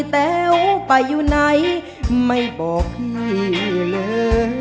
แต๋วไปอยู่ไหนไม่บอกพี่เลย